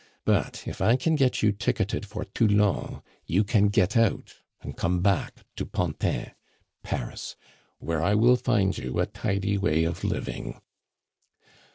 But if I can get you ticketed for Toulon, you can get out and come back to Pantin (Paris), where I will find you a tidy way of living."